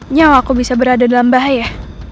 nyawa aku bisa berada dalam bahaya